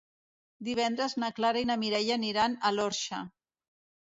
Divendres na Clara i na Mireia aniran a l'Orxa.